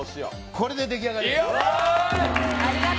これで出来上がりです。